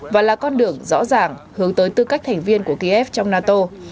và là con đường rõ ràng hướng tới tư cách thành viên của kiev trong nato